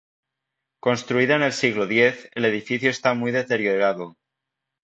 Construida en el siglo X, el edificio está muy deteriorado.